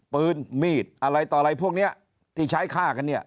มีดอะไรต่ออะไรพวกนี้ที่ใช้ฆ่ากันเนี่ย